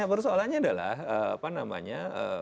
persoalannya adalah apa namanya